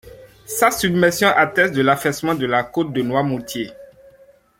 Sa submersion atteste de l'affaissement de la côte de Noirmoutier.